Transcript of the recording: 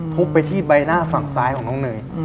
ทุบไปที่ใบหน้าฝั่งซ้ายของน้องเนย